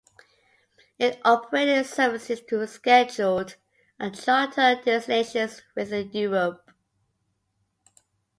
It operated services to scheduled and charter destinations within Europe.